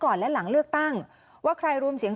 คุณสิริกัญญาบอกว่า๖๔เสียง